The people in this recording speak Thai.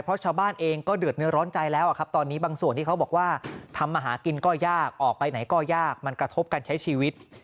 เพราะชาวบ้านเองก็เดือดเนื้อร้อนใจแล้วครับตอนนี้บางส่วนที่เขาบอกว่าทำมาหากินก็ยากออกไปไหนก็ยากมันกระทบการใช้ชีวิต